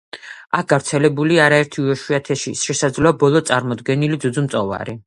აქ გავრცელებულია არაერთი უიშვიათესი, შესაძლოა ბოლო წარმომადგენელი ძუძუმწოვარი.